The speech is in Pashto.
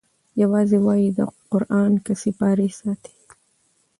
یوازی وایي دا قران که سیپارې ساتی